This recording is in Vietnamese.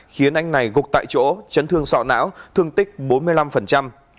khiến anh này gục tại chỗ chấn thương sọ não thương tích bốn mươi năm